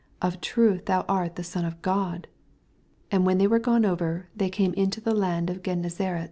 Of a truth thou art tne Bon of God. 84 And when they were gone over, they came into the land of Grennesaret.